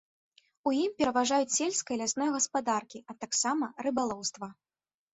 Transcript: У ім пераважаюць сельскае і лясное гаспадаркі, а таксама рыбалоўства.